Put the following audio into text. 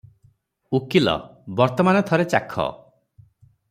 ଉକୀଲ - ବର୍ତ୍ତମାନ ଥରେ ଚାଖ ।